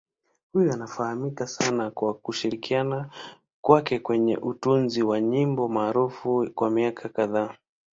Huyu anafahamika sana kwa kushirikiana kwake kwenye utunzi wa nyimbo maarufu kwa miaka kadhaa.